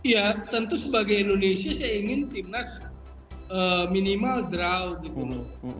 ya tentu sebagai indonesia saya ingin timnas minimal draw gitu